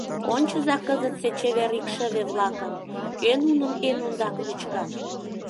Ончыза кызытсе чевер икшыве-влакым: кӧ нуным эн ондак вӱчка?